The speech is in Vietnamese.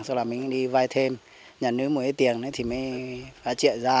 sau đó mình đi vai thêm nhận được một ít tiền thì mới phát triển ra